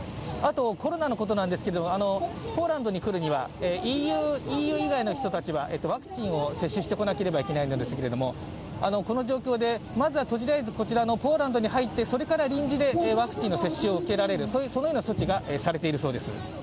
あと、コロナのことなんですが、ポーランドに来るにはＥＵ以外の人たちはワクチンを接種して来なければいけないんですけれどもこの状況でまずはとりあえずこちらのポーランドに入ってそれから臨時でワクチン接種を受けられる処置がされているそうです。